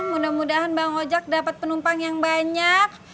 mudah mudahan bang ojek dapat penumpang yang banyak